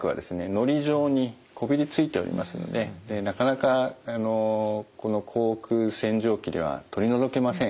のり状にこびりついておりますのでなかなかあのこの口腔洗浄機では取り除けません。